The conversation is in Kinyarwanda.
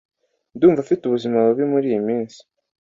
Ndumva afite ubuzima bubi muriyi minsi.